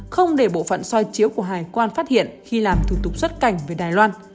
không để bộ phận soi chiếu của hải quan phát hiện khi làm thủ tục xuất cảnh về đài loan